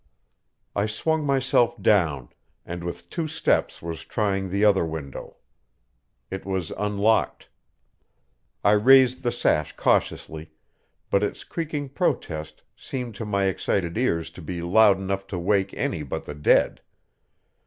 I swung myself down, and with two steps was trying the other window. It was unlocked. I raised the sash cautiously, but its creaking protest seemed to my excited ears to be loud enough to wake any but the dead.